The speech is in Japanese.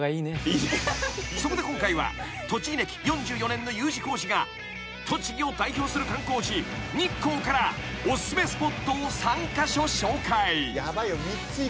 ［そこで今回は栃木歴４４年のＵ字工事が栃木を代表する観光地日光からお薦めスポットを３カ所紹介］